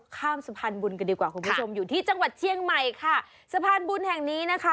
ข้ามสะพานบุญกันดีกว่าคุณผู้ชมอยู่ที่จังหวัดเชียงใหม่ค่ะสะพานบุญแห่งนี้นะคะ